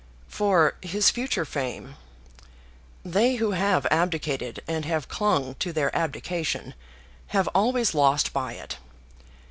"For his future fame. They who have abdicated and have clung to their abdication have always lost by it.